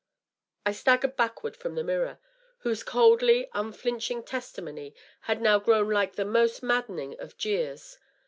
I staggered backward from the mirror, whose coldly unflinching testimony had now grown like the most maddening of jeers.